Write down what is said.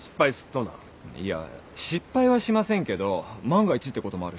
いや失敗はしませんけど万が一ってこともあるし。